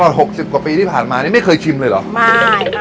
หกสิบกว่าปีที่ผ่านมานี่ไม่เคยชิมเลยเหรอมาเลย